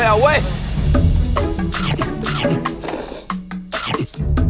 เอาเว้ย